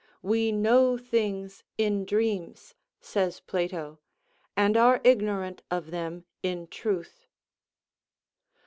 We know things in dreams, says Plato, and are ignorant of them in truth.